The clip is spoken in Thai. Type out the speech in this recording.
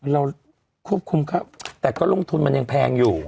เราควบคุมเขาแต่ก็ลงทุนมันยังแพงอยู่